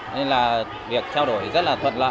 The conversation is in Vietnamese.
nên là việc trao đổi rất là thuận lợi